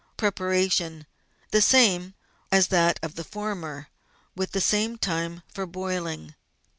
Preparation. — The same as that of the former, with the same time for boiling.